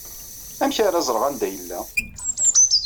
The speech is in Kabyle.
Amek ara ẓreɣ anda yella?